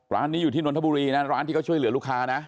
ร้านนี้อยู่ที่นนทบุรีนะร้านที่เขาช่วยเหลือลูกค้านะ